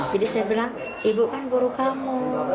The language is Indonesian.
jadi saya bilang ibu kan guru kamu